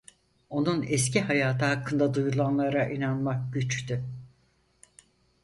Onun eski hayatı hakkında duyulanlara inanmak güçtü.